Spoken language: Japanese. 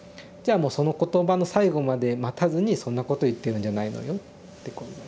その言葉の最後まで待たずに「そんなこと言ってるんじゃないのよ」ってこう。